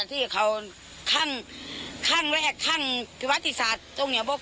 อ่ะที่เขาขั้นขั้นแรกขั้นพิวัติศาสตร์ตรงเนี้ยว่า